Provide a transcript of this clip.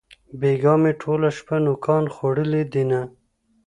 بېگاه مې ټوله شپه نوکان خوړلې دينه